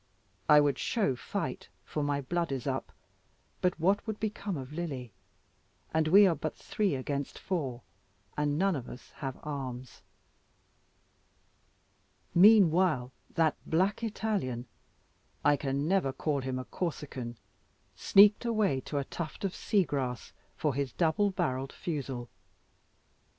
I would show fight, for my blood is up, but what would become of Lily? And we are but three against four, and none of us have arms. Meanwhile, that black Italian, I can never call him a Corsican, sneaked away to a tuft of sea grass for his double barrelled fusil.